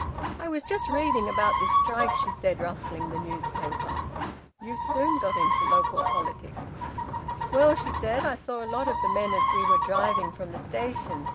"I was just reading about this strike," she said, rustling the newspaper. "You've soon got into local politics." "Well," she said, "I saw a lot of the men as we were driving from the station.